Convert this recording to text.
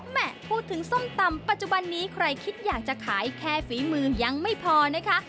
พูดถึงส้มตำปัจจุบันนี้ใครคิดอยากจะขายแค่ฝีมือยังไม่พอนะคะ